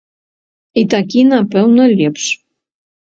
І такі, напэўна, лепш.